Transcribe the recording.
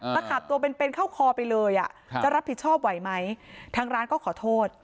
ตะขาบตัวเป็นเป็นเข้าคอไปเลยอ่ะจะรับผิดชอบไหวไหมทางร้านก็ขอโทษ